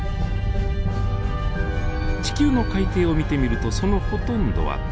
地球の海底を見てみるとそのほとんどは平ら。